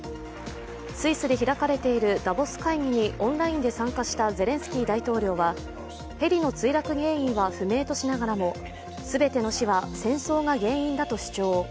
スイスで開かれているダボス会議にオンラインで参加したゼレンスキー大統領はヘリの墜落原因は不明としながらも全ての死は、戦争が原因だと主張。